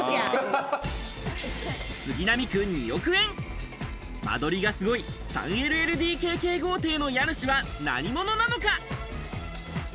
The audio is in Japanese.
杉並区２億円、間取りがすごい３ＬＬＤＫＫの豪邸の家主は何者なのか？